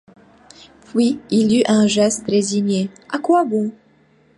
Puis, il eut un geste résigné: à quoi bon?